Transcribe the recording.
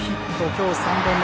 今日、３本目。